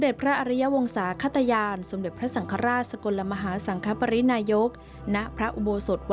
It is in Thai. เจอครับ